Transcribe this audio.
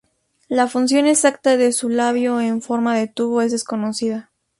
La función exacta de su labio en forma de tubo es desconocida.